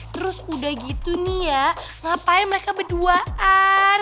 terus udah gitu nih ya ngapain mereka berduaan